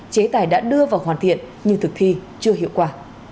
chế tài đã đưa vào hoàn thiện nhưng thực thi chưa hiệu quả